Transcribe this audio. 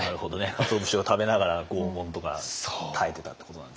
かつお節を食べながら拷問とか耐えてたってことなんですね。